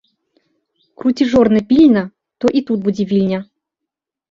Круці жорна пільна, то і тут будзе Вільня!